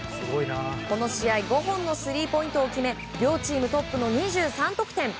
この試合５本のスリーポイントを決め両チームトップの２３得点。